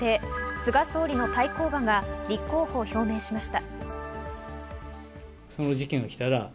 菅総理の対抗馬が立候補を表明しました。